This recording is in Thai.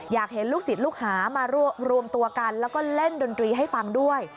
อยากเห็นลูกศิษย์ลูกหามารวมตัวกันแล้วก็เล่นดนตรีให้ฟังด้วย